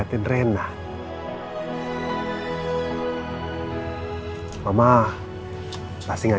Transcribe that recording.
terus rena maunya main apa